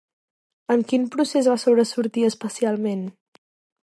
En quin procés va sobresortir especialment?